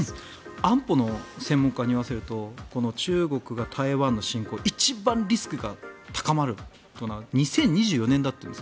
安保の専門家に言わせるとこの中国が台湾の進攻一番リスクが高まるのは２０２４年だというんです。